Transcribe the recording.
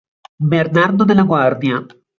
Bernardo de la Guardia